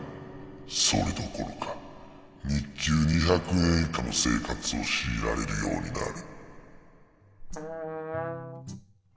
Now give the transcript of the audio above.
それどころか日給２００円以下の生活を強いられるようになる。